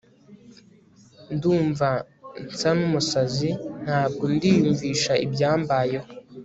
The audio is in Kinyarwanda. ndumva nsa numusazi ntabwo ndiyumvisha ibyambayeho